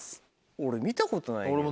俺見たことないけど。